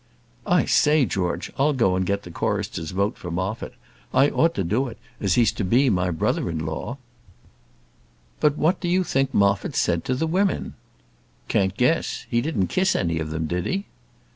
"I say, George, I'll go and get the chorister's vote for Moffat; I ought to do it as he's to be my brother in law." "But what do you think Moffat said to the women?" "Can't guess he didn't kiss any of them, did he?"